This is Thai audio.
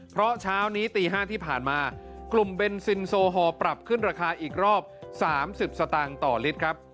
เพราะเช้านี้ตี๕ที่ผ่านมากลุ่มเบนซินโซฮอล์ปรับขึ้นราคาอีกรอบ๓๐สตางค์ต่อลิตรครับ